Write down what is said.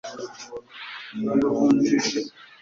kuki Rwabugili yahaye Rutalindwa umugabekazi,